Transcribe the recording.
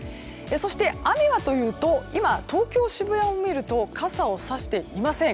そして雨はというと今、東京・渋谷を見ると傘をさしていません。